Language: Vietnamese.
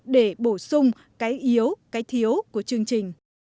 để bổ sung cái yếu cái thiếu của chương trình